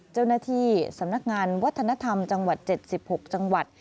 เจ้าหน้าที่สำนักงานวัฒนธรรมจังหวัด๗๖จังหวัด